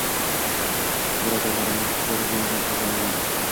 birodarlarimni ko‘rib yanada shodlanaman.